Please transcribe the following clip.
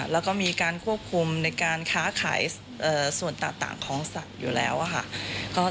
แล้วก็มีการควบคุมในการค้าขายส่วนต่างของสัตว์อยู่แล้วค่ะ